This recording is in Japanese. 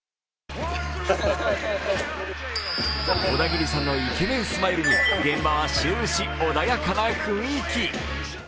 オダギリさんのイケメンスマイルに現場は終始穏やかな雰囲気。